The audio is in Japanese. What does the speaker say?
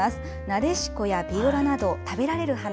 ナデシコやビオラなど、食べられる花、